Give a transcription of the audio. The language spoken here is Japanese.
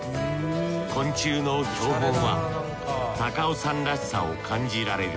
昆虫の標本は高尾山らしさを感じられる